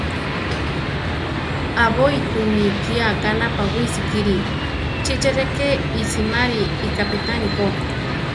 Aʼbói tu mi ikía ka napawísi kíri; chi che rʼe ke iʼsimári iʼkápitani ko.